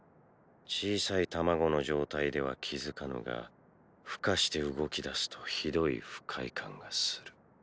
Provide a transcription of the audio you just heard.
小さい卵の状態では気付かぬが孵化して動き出すとひどい不快感がする。